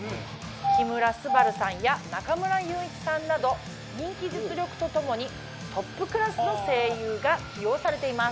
木村昴さんや中村悠一さんなど人気実力と共にトップクラスの声優が起用されています。